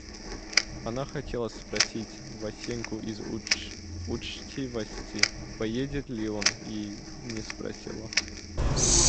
Она хотела спросить Васеньку из учтивости, поедет ли он, и не спросила.